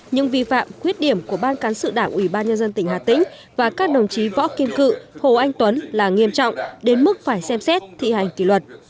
nhưng vi phạm khuyết điểm của ban cán sự đảng ủy ban nhân dân tỉnh hà tĩnh và các đồng chí võ kim cự hồ anh tuấn là nghiêm trọng đến mức phải xem xét thi hành kỷ luật